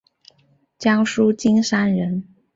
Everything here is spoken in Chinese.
江南金山人。